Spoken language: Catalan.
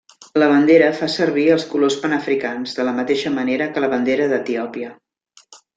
La bandera fa servir els colors panafricans, de la mateixa manera que la bandera d'Etiòpia.